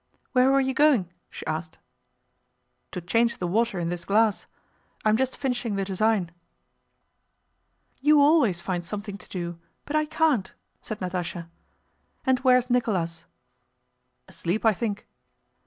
"Where were you going?" she asked. "To change the water in this glass. I am just finishing the design." "You always find something to do, but I can't," said Natásha. "And where's Nicholas?" "Asleep, I think."